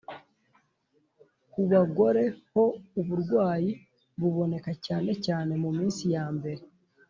Ku bagore ho uburwayi buboneka cyane cyane mu minsi ya mbere